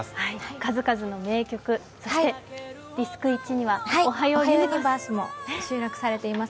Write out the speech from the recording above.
数々の名曲、そしてディスク１には、「おはようユニバース」も収録されています。